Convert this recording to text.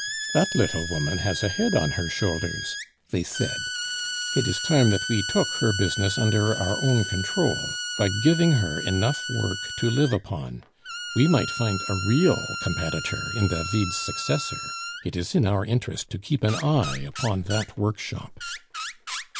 "That little woman has a head on her shoulders," they said. "It is time that we took her business under our own control, by giving her enough work to live upon; we might find a real competitor in David's successor; it is in our interest to keep an eye upon that workshop."